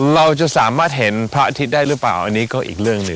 เราจะสามารถเห็นพระอาทิตย์ได้หรือเปล่าอันนี้ก็อีกเรื่องหนึ่ง